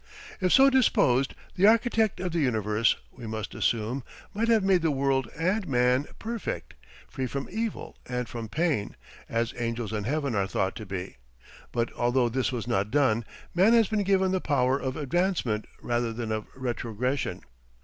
If so disposed, the Architect of the Universe, we must assume, might have made the world and man perfect, free from evil and from pain, as angels in heaven are thought to be; but although this was not done, man has been given the power of advancement rather than of retrogression.